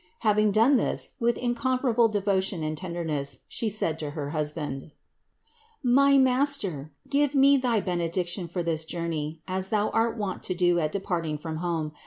Hav ing done this with incomparable devotion and tenderness, She said to her husband : "My master, give me thy bene diction for this journey, as thou art wont to do at depart ing from home.